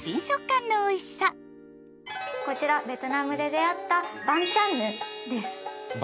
こちらベトナムで出会ったバンチャンヌン？